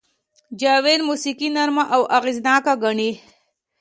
جاوید موسیقي نرمه او اغېزناکه ګڼي